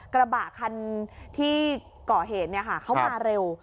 กระบะคันที่ก่อเหตุเขามาเร็ว